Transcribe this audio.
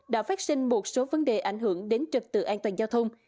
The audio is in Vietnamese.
đã phát sinh một số vấn đề ảnh hưởng đến trật tự an toàn giao thông